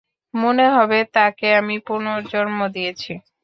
মনে হবে তাকে আমি পুনর্জন্ম দিয়েছি।